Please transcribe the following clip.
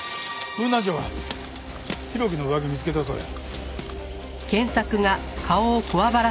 分団長が浩喜の上着見つけたそうや。